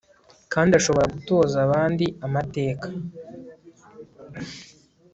kandi ashobora gutoza abandi amateka